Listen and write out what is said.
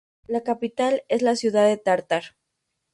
La capital es la ciudad de Tərtər.